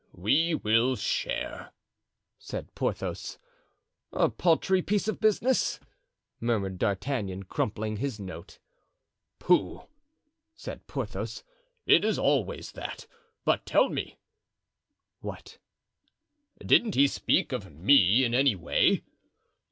"We will share," said Porthos. "A paltry piece of business!" murmured D'Artagnan crumpling his note. "Pooh!" said Porthos, "it is always that. But tell me——" "What?" "Didn't he speak of me in any way?"